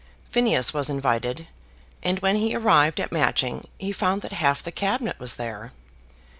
Phineas was invited, and when he arrived at Matching he found that half the Cabinet was there.